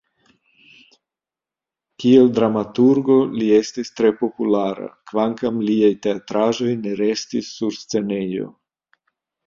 Kiel dramaturgo li estis tre populara, kvankam liaj teatraĵoj ne restis sur scenejo.